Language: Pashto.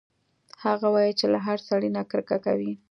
هغه وايي چې له هر سړي نه کرکه کوي